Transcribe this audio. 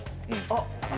あっ。